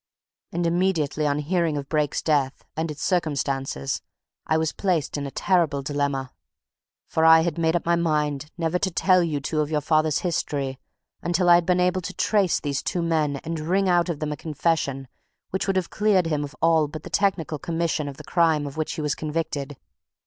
And immediately on hearing of Brake's death, and its circumstances, I was placed in a terrible dilemma. For I had made up my mind never to tell you two of your father's history until I had been able to trace these two men and wring out of them a confession which would have cleared him of all but the technical commission of the crime of which he was convicted.